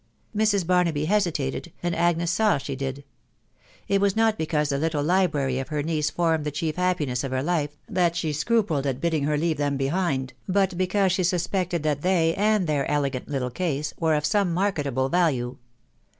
Mrs. Barnaby hesitated, and Agnes saw she did. It was not because the little library of her niece formed the chief happiness of her life that she scrupled at bidding her leave them behind, but because she suspected that they, and their elegant little case, were of some marketable value